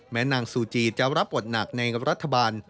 นางซูจีจะรับบทหนักในรัฐบาล